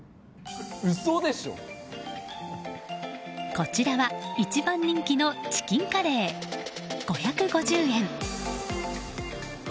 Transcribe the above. こちらは一番人気のチキンカレー、５５０円。